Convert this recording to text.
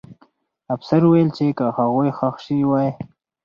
افسر وویل چې که هغوی ښخ سوي وای.